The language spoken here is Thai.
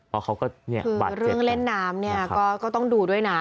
คือเรื่องเล่นนามเนี่ยก็ต้องดูด้วยนะ